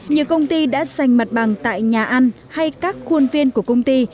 nhiều công ty đã sành mặt bằng tại nhà ăn hay các khuôn viên của công ty